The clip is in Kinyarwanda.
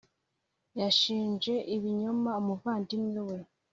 Yashinje ibinyoma umuvandimwe we .